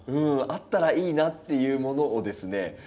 あったらいいなっていうものをですね